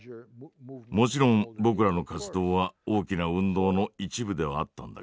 もちろん僕らの活動は大きな運動の一部ではあったんだけどね。